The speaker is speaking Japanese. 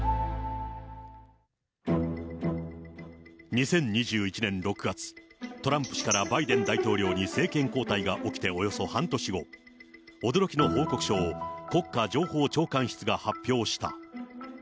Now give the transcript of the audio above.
２０２１年６月、トランプ氏からバイデン大統領に政権交代が起きておよそ半年後、驚きの報告書を国家情報長官室が発表した。